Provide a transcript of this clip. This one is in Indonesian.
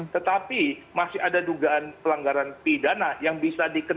tetapi masih ada dugaan pelanggaran pidana yang bisa pihak laughter yang bisa diketuk